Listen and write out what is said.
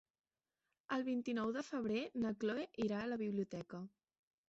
El vint-i-nou de febrer na Cloè irà a la biblioteca.